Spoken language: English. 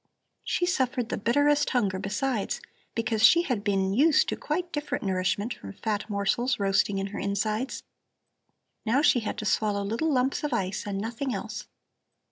She suffered the bitterest hunger besides, because she had been used to quite different nourishment from fat morsels roasting in her insides. Now she had to swallow little lumps of ice and nothing else.